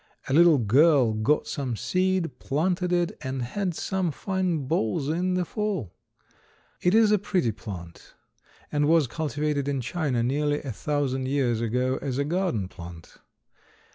A little girl got some seed, planted it, and had some fine bolls in the fall. It is a pretty plant, and was cultivated in China nearly a thousand years ago as a garden plant.